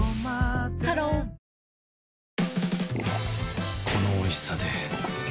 ハローこのおいしさで